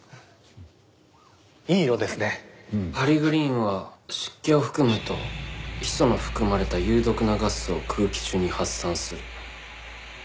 パリグリーンは湿気を含むとヒ素の含まれた有毒なガスを空気中に発散する。